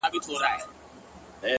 او توري څڼي به دي!!